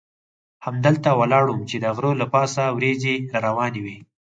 همالته ولاړ وم چې د غره له پاسه وریځې را روانې وې.